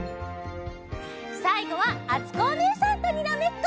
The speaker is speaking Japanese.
さいごはあつこおねえさんとにらめっこ！